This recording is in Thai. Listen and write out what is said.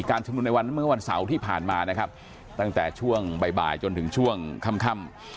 ชุมนุมในวันนั้นเมื่อวันเสาร์ที่ผ่านมานะครับตั้งแต่ช่วงบ่ายจนถึงช่วงค่ำ